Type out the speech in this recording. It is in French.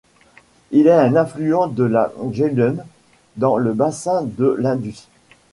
Il est un affluent de la Jhelum, dans le bassin de l'Indus.